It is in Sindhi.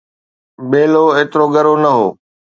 ٻيلو ايترو ڳرو نه هو